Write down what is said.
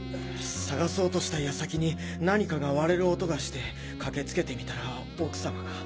捜そうとした矢先に何かが割れる音がして駆けつけてみたら奥様が。